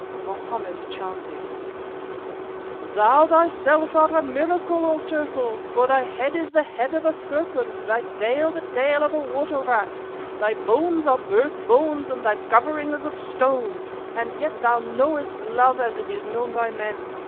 Mohammed chanted: "_Thou thyself art a miracle, O turtle! For thy head is the head of a serpent, thy tail the tail of a water rat, thy bones are bird's bones and thy covering is of stone; and yet thou knowest love as it is known by men.